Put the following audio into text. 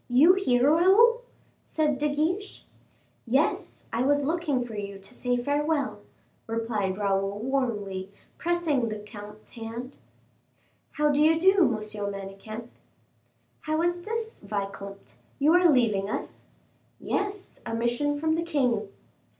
"You here, Raoul?" said De Guiche. "Yes: I was looking for you to say farewell," replied Raoul, warmly, pressing the comte's hand. "How do you do, Monsieur Manicamp?" "How is this, vicomte, you are leaving us?" "Yes, a mission from the king."